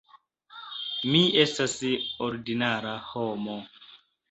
Mi estas ordinara homo.